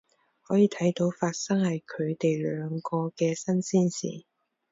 可以睇到發生喺佢哋兩個嘅新鮮事